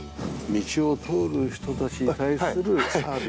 道を通る人たちに対するサービス。